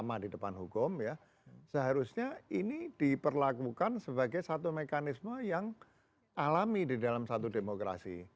tapi di depan hukum ya seharusnya ini diperlakukan sebagai satu mekanisme yang alami di dalam satu demokrasi